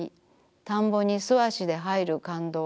田んぼに素足で入る感動。